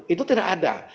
itu tidak ada